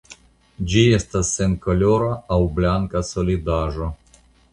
Ĝi estas senkolora aŭ blanka solidaĵo.